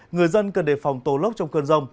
người dân cần đề phòng tố lốc trong cơn rông